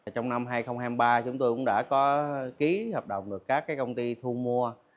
trong năm hai nghìn hai mươi ba chúng tôi cũng đã có ký hợp đồng được các công ty thu mua